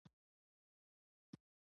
مصنوعي ځرکتیا